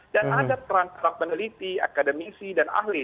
dan ada peran peran peneliti akademisi dan ahli